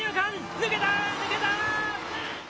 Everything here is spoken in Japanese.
抜けた！